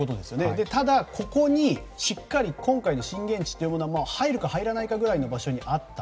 ただ、ここにしっかり今回のように震源地が入るか入らないかぐらいの場所にあった。